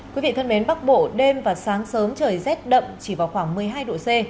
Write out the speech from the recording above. quý vị thân mến bắc bộ đêm và sáng sớm trời rét đậm chỉ vào khoảng một mươi hai độ c